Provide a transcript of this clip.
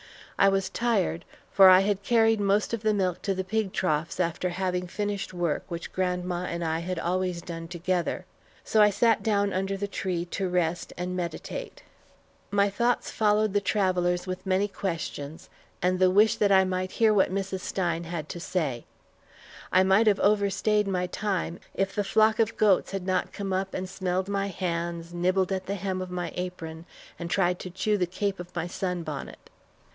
I was tired, for I had carried most of the milk to the pig troughs after having finished work which grandma and I had always done together; so I sat down under the tree to rest and meditate. My thoughts followed the travellers with many questions, and the wish that I might hear what Mrs. Stein had to say. I might have overstayed my time, if the flock of goats had not come up and smelled my hands, nibbled at the hem of my apron, and tried to chew the cape of my sun bonnet.